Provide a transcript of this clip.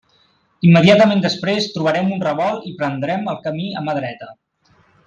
Immediatament després, trobarem un revolt i prendrem el camí a mà dreta.